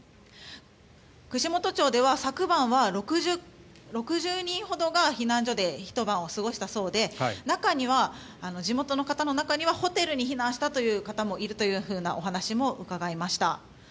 串本町では昨晩は６０人ほどが避難所でひと晩過ごしたそうで地元の方の中にはホテルに避難したという方もいるというお話も伺いました。